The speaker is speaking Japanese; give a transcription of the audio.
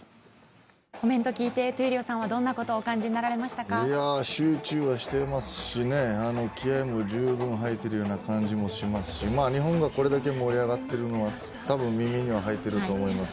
コメントを聞いて闘莉王さんはどんなことをいや、集中していますし気合いも十分入っているような感じもしますし日本がこれだけ盛り上がっているのは多分耳には入っていると思います。